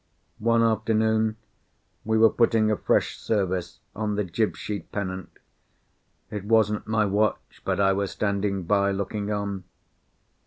One afternoon we were putting a fresh service on the jib sheet pennant. It wasn't my watch, but I was standing by, looking on.